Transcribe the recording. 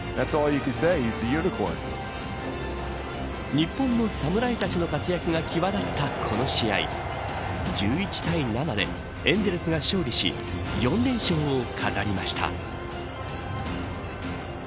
日本の侍たちの活躍が際立ったこの試合１１対７でエンゼルスが勝利し４連勝を飾りました。